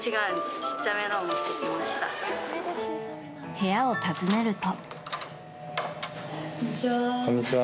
部屋を訪ねると。